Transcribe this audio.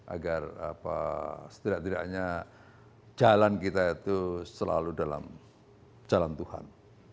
agar setidak tidaknya jalan kita itu selalu dalam jalan tuhan